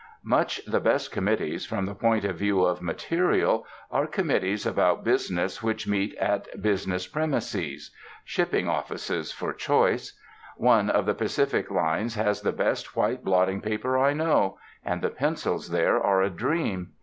Much the best committees from the point of view of material are committees about business which meet at business premises shipping offices, for choice. One of the Pacific Lines has the best white blotting paper I know; and the pencils there are a dream.